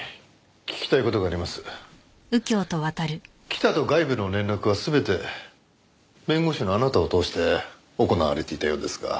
北と外部の連絡は全て弁護士のあなたを通して行われていたようですが。